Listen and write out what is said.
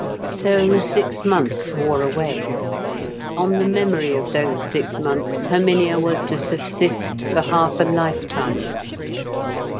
So six months wore away. On the memory of those six months Herminia was to subsist for half a lifetime.